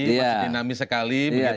masih dinamis sekali